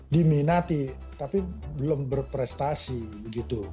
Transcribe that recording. diminati tapi belum berprestasi